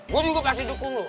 gue juga pasti dukung lo